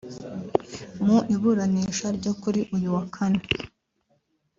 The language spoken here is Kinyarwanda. Mu iburanisha ryo kuri uyu wa Kane